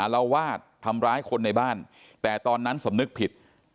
ละวาดทำร้ายคนในบ้านแต่ตอนนั้นสำนึกผิด